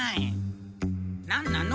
なんなの？